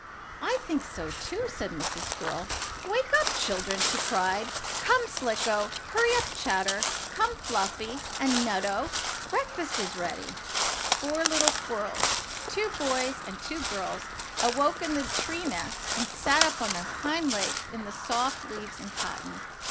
"I think so, too," said Mrs. Squirrel. "Wake up, children!" she cried. "Come, Slicko! Hurry up, Chatter! Come, Fluffy and Nutto! Breakfast is ready!" Four little squirrels two boys and two girls awoke in the tree nest and sat up on their hind legs in the soft leaves and cotton.